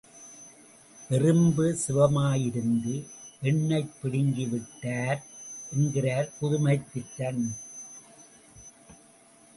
எறும்பு சிவமாயிருந்து என்னைப் பிடுங்கி விட்டார். என்றார் புதுமைப் பித்தன்.